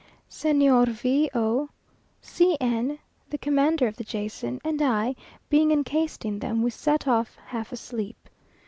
Señor V o, C n, the commander of the Jason, and I being encased in them, we set off half asleep.